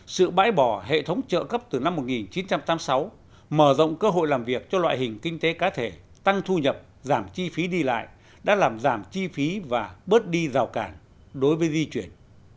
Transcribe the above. sự bãi bỏ hệ thống trợ cấp từ năm một nghìn chín trăm tám mươi sáu mở rộng cơ hội làm việc cho loại hình kinh tế cá thể tăng thu nhập giảm chi phí đi lại đã làm giảm chi phí và bớt đi rào cản đối với di chuyển